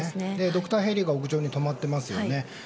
ドクターヘリが屋上に止まっていますよね。